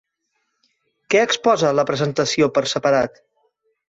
Què exposa la presentació per separat?